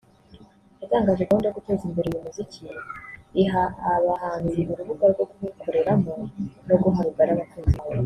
yatangije gahunda yo guteza imbere uyu muziki iha abahanzi urubuga rwo kuwukoreramo no guha rugari abakunzi bawo